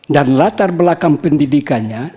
dan latar belakang pendidikannya